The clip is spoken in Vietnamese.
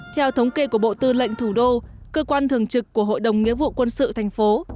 theo thống kê của bộ tư lệnh thủ đô cơ quan thường trực của hội đồng nghĩa vụ quân sự thành phố